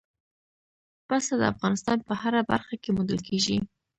پسه د افغانستان په هره برخه کې موندل کېږي.